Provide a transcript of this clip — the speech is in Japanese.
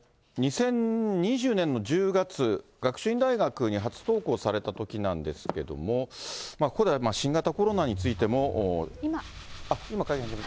２０２０年の１０月、学習院大学に初登校されたときなんですけれども、ここでは新型コロナについても。